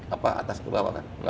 apa atas ke bawah kan